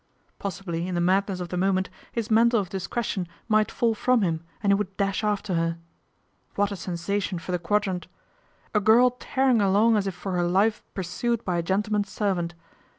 Possibly in the madness of the moment his mantle of discretion might fall from him, and he would dash after her. What a sensa tion for the Quadrant ! A girl tearing along as if for her life pursued by a gentleman's servant.